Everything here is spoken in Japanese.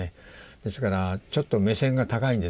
ですからちょっと目線が高いんですね。